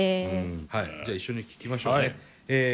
じゃ一緒に聴きましょう。